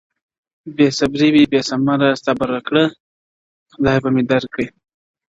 بې صبري وي بې ثمره صبر کړه خدای به مي درکړي-